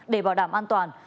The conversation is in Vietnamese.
để bảo đảm an toàn